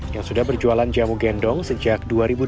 yang sudah berjualan jamu gendong sejak dua ribu delapan